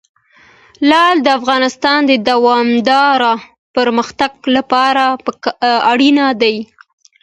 لعل د افغانستان د دوامداره پرمختګ لپاره اړین دي.